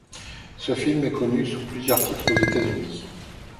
Ce film est connu sous plusieurs titres aux États-Unis.